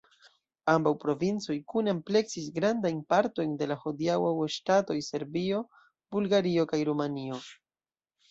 Ambaŭ provincoj kune ampleksis grandajn partojn de la hodiaŭaj ŝtatoj Serbio, Bulgario kaj Rumanio.